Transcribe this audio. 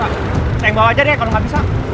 saya yang bawa aja deh kalau gak bisa